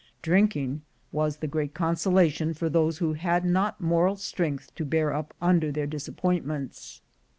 Drinking was the great consolation for those who had not moral strength to bear up under their dis appointments.